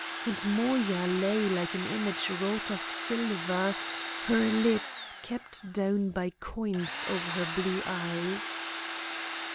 And Moya lay like an image wrought of silver, her lids kept down by coins over her blue eyes.